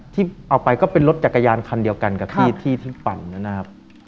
ที่เอาไปก็เป็นรถจักรยานคันเดียวกันกับที่ที่ปั่นนะครับ